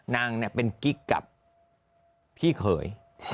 นางเป็นกิ๊กกับพี่เขย